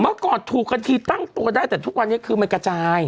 เมื่อก่อนถูกกันทีตั้งตัวได้แต่ทุกวันนี้คือมันกระจาย